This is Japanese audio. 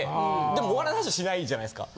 でもお笑いの話はしないじゃないですか。